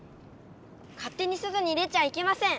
勝手に外に出ちゃいけません！